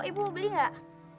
ibu mau beli enggak